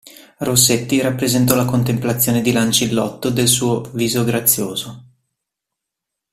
Rossetti rappresentò la contemplazione di Lancillotto del suo "viso grazioso".